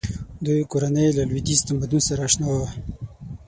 دوی کورنۍ له لویدیځ تمدن سره اشنا وه.